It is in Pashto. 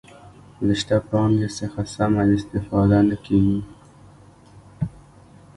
له شته پانګې څخه سمه استفاده نه کیږي.